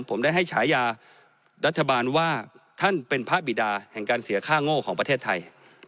ผมได้ให้ฉายารัฐบาลว่าท่านเป็นพระบิดาแห่งการเสียค่าโง่ของประเทศไทย